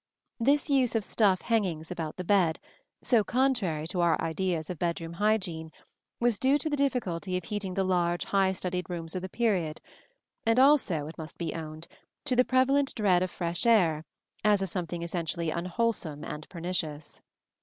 This use of stuff hangings about the bed, so contrary to our ideas of bedroom hygiene, was due to the difficulty of heating the large high studded rooms of the period, and also, it must be owned, to the prevalent dread of fresh air as of something essentially unwholesome and pernicious.